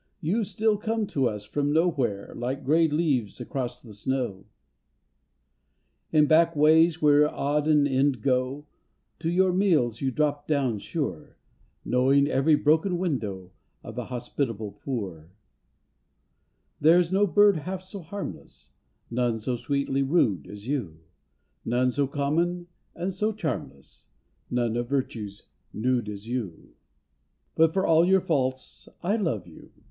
You still come to us from nowhere Like grey leaves across the snow. In back ways where odd and end go To your meals you drop down sure, Knowing every broken window Of the hospitable poor. 234 TO A SPARROW 235 There is no bird half so harmless, None so sweetly rude as you, None so common and so charmless, None of virtues nude as you. But for all your faults I love you.